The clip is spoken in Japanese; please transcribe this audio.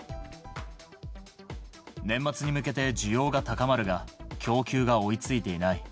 年末に向けて需要が高まるが、供給が追いついていない。